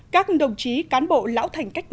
các đồng chí cán bộ lão thành cách mạng